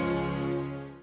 tapi tapi itu panji sama